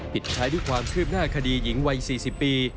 ปิดท้ายด้วยความคืบหน้าคดีหญิงวัย๔๐ปี